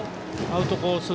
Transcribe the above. アウトコース